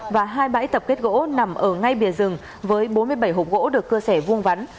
và hai bãi tập kết gỗ nằm ở ngay bìa rừng với bốn mươi bảy hộp gỗ được cơ sẻ vuông vắn